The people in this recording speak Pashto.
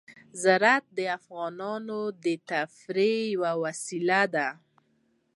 زراعت د افغانانو د تفریح یوه وسیله ده.